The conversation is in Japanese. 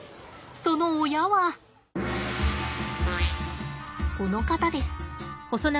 その親はこの方です。